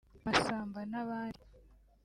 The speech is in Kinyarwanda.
Masamba n’abandi